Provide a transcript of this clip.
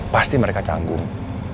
pasti mereka canggung